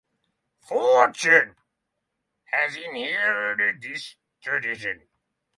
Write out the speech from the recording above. "Fortune" has inherited this tradition.